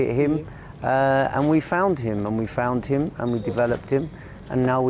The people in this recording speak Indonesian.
dan kami menemukan dia dan kami menemukan dia dan kami memperkembangkannya